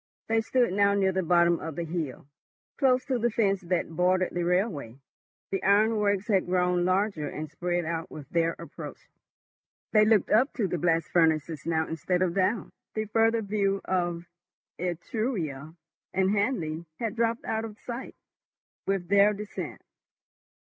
They stood now near the bottom of the hill, close to the fence that bordered the railway. The ironworks had grown larger and spread out with their approach. They looked up to the blast furnaces now instead of down; the further view of Etruria and Hanley had dropped out of sight with their descent.